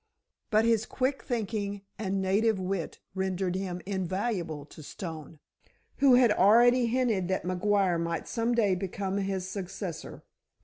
But his quick thinking and native wit rendered him invaluable to Stone, who had already hinted that McGuire might some day become his successor.